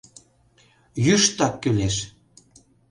Йӱштак кӱлеш.